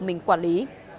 mình quản lý